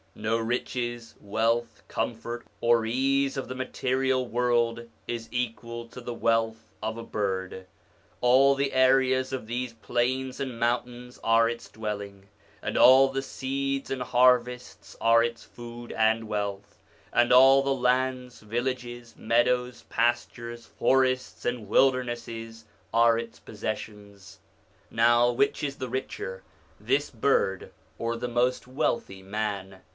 No riches, wealth, comfort, or ease of the material world is equal to the wealth of a bird ; all the areas of these plains and mountains are its dwelling, and all the seeds and harvests are its food and wealth, and all the lands, villages, meadows, pastures, forests, and wildernesses are its possessions. Now, which is the richer, this bird, or the most wealthy man